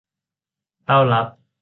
เต้ารับ